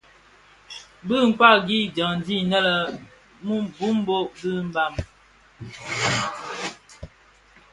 Bi kpagi dyandi innë boumbot dhi Mbam.